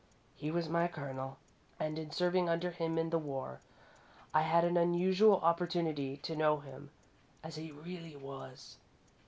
He was my Colonel, and in serving under him in the war, I had an unusual opportunity to know him as he really was.